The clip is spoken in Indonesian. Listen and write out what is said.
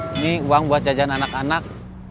ini uang buat jajan anak anak